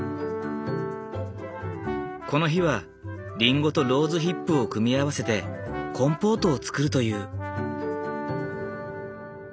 この日はリンゴとローズヒップを組み合わせてコンポートを作るという。